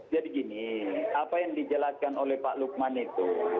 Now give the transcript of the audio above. jadi gini apa yang dijelaskan oleh pak luqman itu